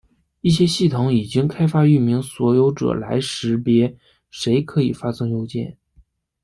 一些系统已经开发域名所有者来识别谁可以发送邮件。